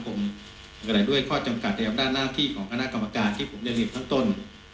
อะไรด้วยข้อจำกัดในอำนาจหน้าที่ของคณะกรรมการที่ผมได้เรียนทั้งต้น